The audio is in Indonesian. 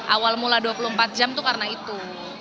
awal mula dua puluh empat jam itu karena itu